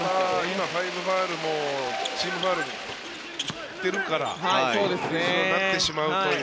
今、５ファウルチームファウル行ってるからそうなってしまうという。